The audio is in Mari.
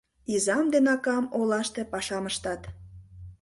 Изам ден акам олаште пашам ыштат.